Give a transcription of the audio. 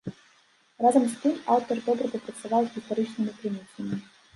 Разам з тым, аўтар добра папрацаваў з гістарычнымі крыніцамі.